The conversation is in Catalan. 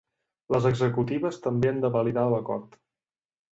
Les executives també han de validar l’acord.